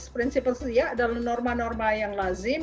prinsipal itu adalah norma norma yang lazim